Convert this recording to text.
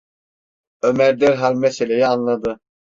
Ömer derhal meseleyi anladı.